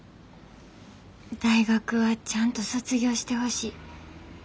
「大学はちゃんと卒業してほしい。